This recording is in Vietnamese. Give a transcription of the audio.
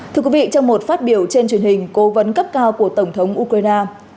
thưa quý vị trong một phát biểu trên truyền hình cố vấn cấp cao của tổng thống ukraine